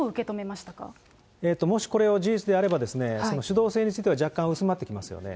もしこれが事実であれば、主導性については、若干薄まってきますよね。